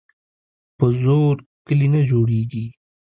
په زور کلي نه جوړیږي.